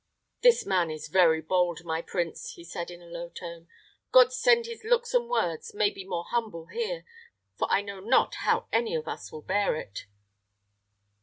"This man is very bold, my prince," he said, in a low tone. "God send his looks and words may be more humble here, for I know not how any of us will bear it."